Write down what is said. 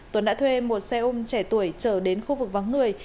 tuấn đã thuê một xe ôm trẻ tuổi trở đến khu vực vắng người